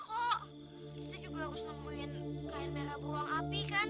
kita juga harus nemuin kain merah buang api kan